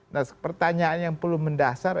nah pertanyaan yang perlu mendasar